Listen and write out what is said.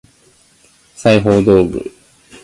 裁縫道具